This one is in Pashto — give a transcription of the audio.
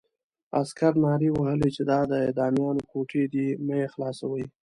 عسکرو نارې وهلې چې دا د اعدامیانو کوټې دي مه یې خلاصوئ.